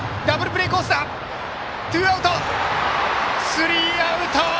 スリーアウト！